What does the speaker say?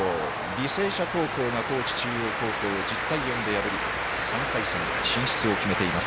履正社高校が高知中央を１０対４で破り３回戦進出を決めています。